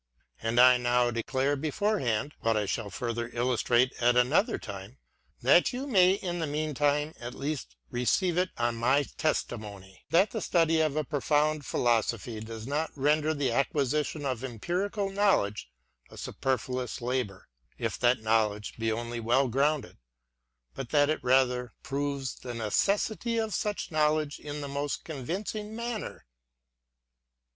And I now declare before hand, (what I shall further illustrate at another time), that you may in the meantime at least receive it on my testi mony, — that the study of a profound philosophy does not e 2 i r< ttki: iv. render the acquisition of empirical Knowledge a superfluous labour, if that knowledge be only well grounded; but that it rattier proves the necessity of such Knowledge in the most convincing manner.